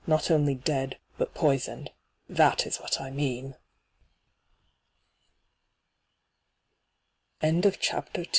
' Not only dead, but poisoned. That is what I mean f hyGoogIc CHAPTER I